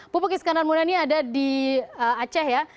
pupuk iskandar muda ini ada di aceh ya